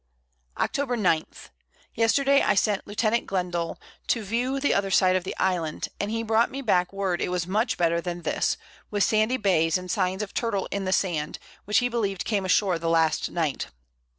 Octob. 9. Yesterday I sent Lieut. Glendall to view the other side of the Island, and he brought me back word it was much better than this, with sandy Bays, and signs of Turtle in the Sand, which he believed came ashore the last Night.